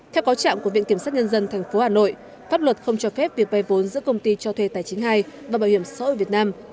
theo cáo trạng của viện kiểm sát nhân dân tp hà nội pháp luật không cho phép việc bày vốn giữa công ty cho thuê tài chính hai và bảo hiểm xã hội việt nam